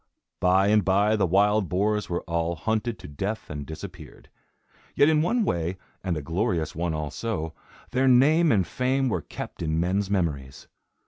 By and by, the wild boars were all hunted to death and disappeared. Yet in one way, and a glorious one also, their name and fame were kept in men's memories.